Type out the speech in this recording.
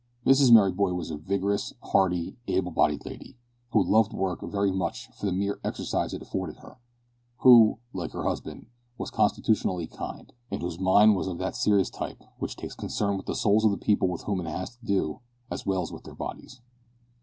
Mrs Merryboy was a vigorous, hearty, able bodied lady, who loved work very much for the mere exercise it afforded her; who, like her husband, was constitutionally kind, and whose mind was of that serious type which takes concern with the souls of the people with whom it has to do as well as with their bodies.